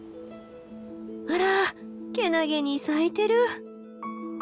あらけなげに咲いてる。